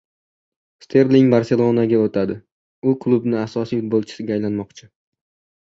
Sterling "Barselona"ga o‘tadi. U klubning asosiy futbolchisiga aylanmoqchi